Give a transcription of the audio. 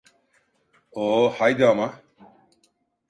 Oh, haydi ama.